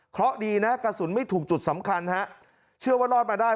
เพราะดีนะกระสุนไม่ถูกจุดสำคัญฮะเชื่อว่ารอดมาได้